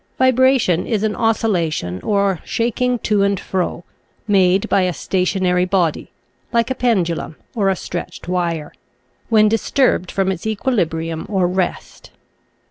Vibration is an oscil lation, or shaking to and fro, made by a sta tionary body (like a pendulum, or a stretched wire) when disturbed from its equilibrium or rest.